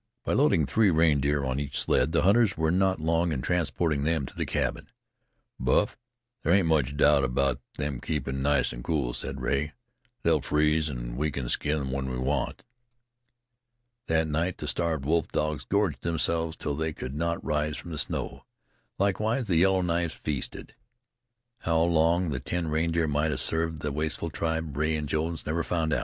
By loading three reindeer on each sled, the hunters were not long in transporting them to the cabin. "Buff, there ain't much doubt about them keepin' nice and cool," said Rea. "They'll freeze, an' we can skin them when we want." That night the starved wolf dogs gorged themselves till they could not rise from the snow. Likewise the Yellow Knives feasted. How long the ten reindeer might have served the wasteful tribe, Rea and Jones never found out.